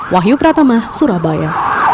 wahyu pratama surabaya